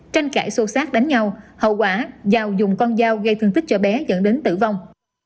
tranh cãi xô xát đánh nhau hậu quả giào dùng con dao gây thương tích cho bé dẫn đến tử vong